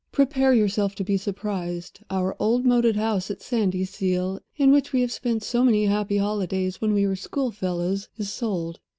Prepare yourself to be surprised. Our old moated house at Sandyseal, in which we have spent so many happy holidays when we were schoolfellows, is sold.